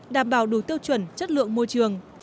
đảm bảo đủ tiêu chuẩn chất lượng môi trường